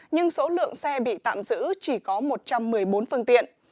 nhưng số lượng xe bị tạm giữ chỉ có một trăm một mươi bốn phương tiện